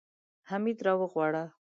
حميد راوغواړه.